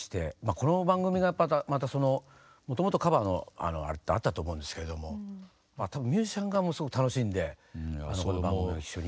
この番組がまたもともとカバーのあれってあったと思うんですけれども多分ミュージシャン側もすごく楽しんでこの番組を一緒に。